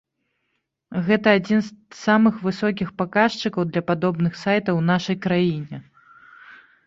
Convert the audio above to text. Гэта адзін з самых высокіх паказчыкаў для падобных сайтаў у нашай краіне.